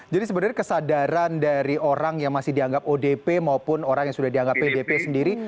jadi sebenarnya kesadaran dari orang yang masih dianggap odp maupun orang yang sudah dianggap pdp sendiri